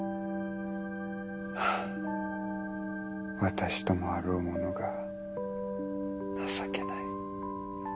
私ともあろうものが情けない。